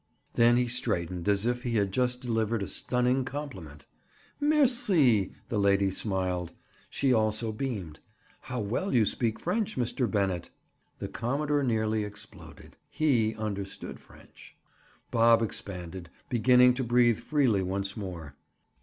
Then he straightened as if he had just delivered a stunning compliment. "Merci!" The lady smiled. She also beamed. "How well you speak French, Mr. Bennett!" The commodore nearly exploded. He understood French. Bob expanded, beginning to breathe freely once more.